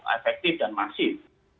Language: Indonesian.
efektif dan masif